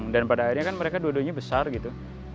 dan pada akhirnya kan mereka dua duanya besar gitu